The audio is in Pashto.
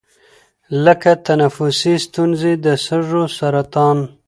لـکه تنفـسي سـتونـزې، د سـږوسـرطـان،